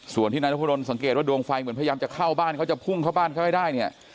ส่วนที่นายนพดลสังเกตว่าดวงไฟเหมือนพยายามจะเข้าบ้านเขาจะพุ่งเข้าบ้านเขาให้ได้เนี่ย